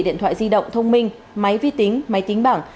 điện thoại di động thông minh máy vi tính máy tính bảng